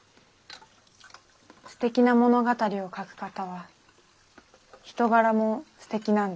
すてきな物語を描く方は人柄もすてきなんだなって。